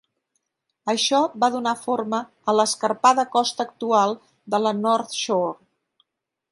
Això va donar forma a l'escarpada costa actual de la North Shore.